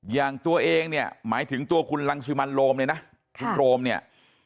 อย่างตัวเองเนี่ยหมายถึงตัวคุณรังสิมันโรมเลยนะคุณโรมเนี่ย